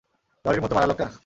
লরির মতো মারা লোকটা?